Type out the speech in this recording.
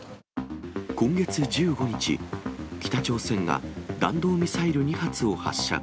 今月１５日、北朝鮮が弾道ミサイル２発を発射。